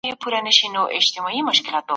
خپل مخ په پاکه صابون او تازه اوبو سره ومینځئ.